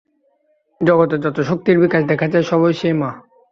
জগতে যত শক্তির বিকাশ দেখা যায়, সবই সেই মা।